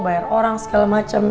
bayar orang segala macem